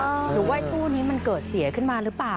หรือว่าไอ้ตู้นี้มันเกิดเสียขึ้นมาหรือเปล่า